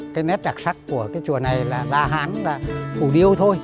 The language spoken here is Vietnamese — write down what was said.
cái nét đặc sắc của cái chùa này là la hán là ủ điêu thôi